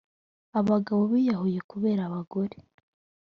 abagabo biyahuye kubera abagore